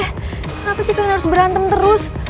kenapa sih kalian harus berantem terus